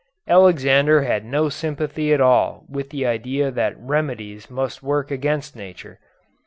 Alexander had no sympathy at all with the idea that remedies must work against nature.